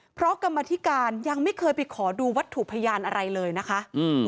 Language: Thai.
เพราะกรรมธิการยังไม่เคยไปขอดูวัตถุพยานอะไรเลยนะคะอืม